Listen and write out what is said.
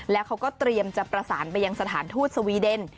แล้วเขาก็เตรียมจะประสานไปยังสถานทูตสวีเดน